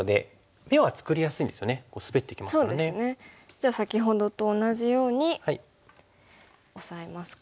じゃあ先ほどと同じようにオサえますか。